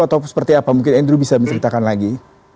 atau seperti apa mungkin andrew bisa menceritakan lagi